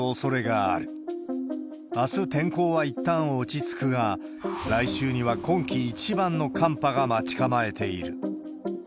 あす、天候はいったん落ち着くが、来週には今季一番の寒波が待ち構えている。